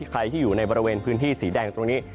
ใครที่อยู่ในบริเวณพื้นที่สีแดงตรงนี้